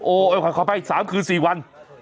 โอ้โหค่อยไป๓คืน๔วัน